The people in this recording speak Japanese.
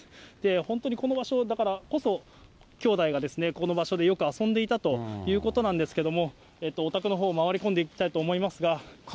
本当にこの場所だからこそ兄弟が、この場所でよく遊んでいたということなんですけれども、お宅のほうを回り込んでいきたいと思いますが。